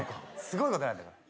すごいことなんだから。